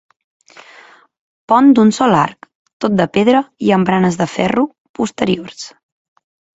Pont d'un sol arc, tot de pedra i amb baranes de ferro, posteriors.